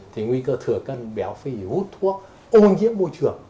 thì nguy cơ thừa cân béo phì hút thuốc ô nhiễm môi trường